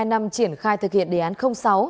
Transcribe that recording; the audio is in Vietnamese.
hai năm triển khai thực hiện đề án sáu